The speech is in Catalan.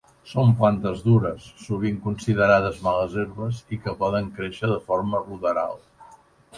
Són plantes dures, sovint considerades males herbes i que poden créixer de forma ruderal.